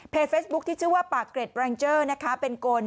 เฟซบุ๊คที่ชื่อว่าปากเกร็ดแรงเจอร์นะคะเป็นกล